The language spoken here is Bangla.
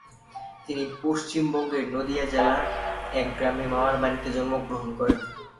তিনি পশ্চিমবঙ্গের নদীয়া জেলার এক গ্রামে মামার বাড়িতে জন্মগ্রহণ করেন।